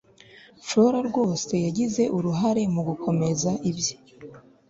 flora rwose yagize uruhare mugukomeza ibye